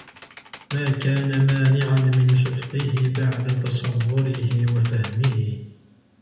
مَا كَانَ مَانِعًا مِنْ حِفْظِهِ بَعْدَ تَصَوُّرِهِ وَفَهْمِهِ